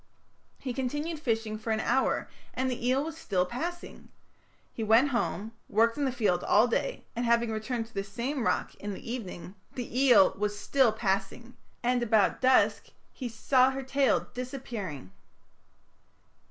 He continued fishing for an hour and the eel was still passing. He went home, worked in the field all day, and having returned to the same rock in the evening, the eel was still passing, and about dusk he saw her tail disappearing."